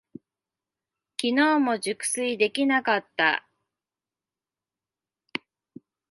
きのうも熟睡できなかった。